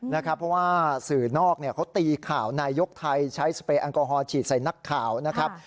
เพราะว่าสื่อนอกเขาตีข่าวนายกไทยใช้สเปรยแอลกอฮอลฉีดใส่นักข่าวนะครับ